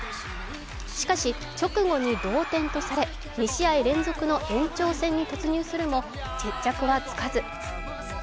しかし、直後に同点とされ２試合連続の延長戦に突入するも決着はつかず。